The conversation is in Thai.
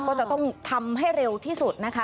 ก็จะต้องทำให้เร็วที่สุดนะคะ